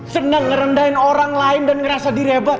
seneng ngerendahin orang lain dan ngerasa direbat